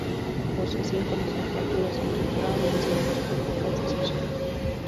Posee cinco licenciaturas y un doctorado en Ciencias Políticas y Sociología.